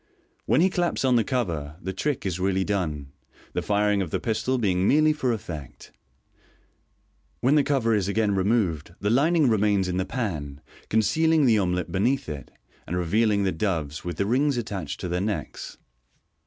When he claps on the cover, the trick is really done, the firing of the pistol being merely for effect. When the cover is again removed, the lining remains in the pan, concealing the omelet beneath it, and revealing the doves, with the rings attached to their necks.